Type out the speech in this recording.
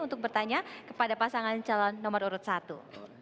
untuk bertanya kepada pasangan calon nomor urut satu